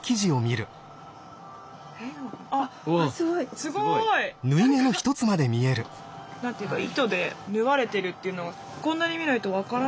あすごい！なんていうか糸でぬわれてるっていうのがこんなに見ないとわからない。